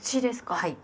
はい。